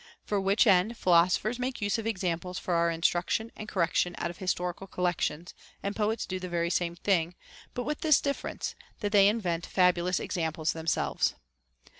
For which end philosophers make use of examples for our instruction and correction out of historical collections ; and poets do the very same thing, but with this difference, that they invent fabulous examples themselves.